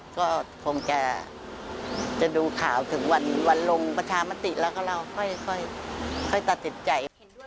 ก็คงจะดูข่าวถึงวันลงประชามติแล้วก็เราค่อยตัดสินใจ